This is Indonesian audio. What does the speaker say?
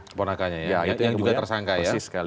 keponakannya ya yang juga tersangka ya